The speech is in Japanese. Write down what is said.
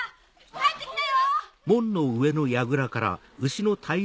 帰ってきたよ！